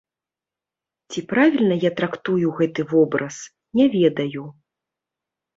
Ці правільна я трактую гэты вобраз, не ведаю.